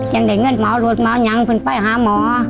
ยังเงินมาเอาโรศมาเอายังคุณไปหาหมอ